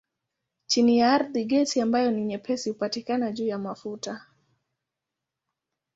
Chini ya ardhi gesi ambayo ni nyepesi hupatikana juu ya mafuta.